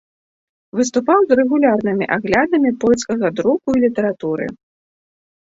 Выступаў з рэгулярнымі аглядамі польскага друку і літаратуры.